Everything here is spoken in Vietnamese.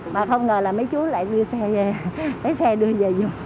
mà không ngờ là mấy chú lại đưa xe về xe đưa về dùm